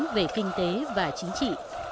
cách lớn về kinh tế và chính trị